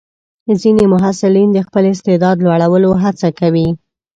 ځینې محصلین د خپل استعداد لوړولو هڅه کوي.